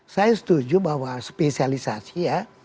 saya setuju bahwa spesialisasi ya